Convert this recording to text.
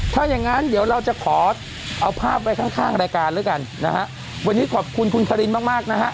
ถ้าอย่างงั้นเดี๋ยวเราจะขอเอาภาพไว้ข้างข้างรายการแล้วกันนะฮะวันนี้ขอบคุณคุณคารินมากมากนะฮะ